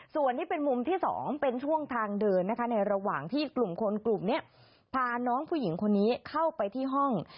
ส่วนนี้เป็นมุมที่๒เป็นช่วงทางเดินนะคะในระหว่างที่กลุ่มคนกลุ่มนี้พาน้องผู้หญิงคนนี้เข้าไปที่ห้อง